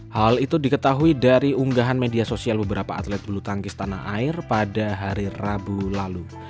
hal itu diketahui dari unggahan media sosial beberapa atlet bulu tangkis tanah air pada hari rabu lalu